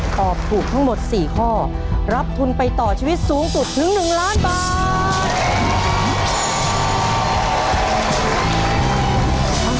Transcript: ตอบถูกทั้งหมด๔ข้อรับทุนไปต่อชีวิตสูงสุดถึง๑ล้านบาท